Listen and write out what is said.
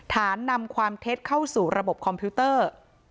นำความเท็จเข้าสู่ระบบคอมพิวเตอร์